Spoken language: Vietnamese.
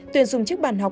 tuyển dùng chiếc bàn học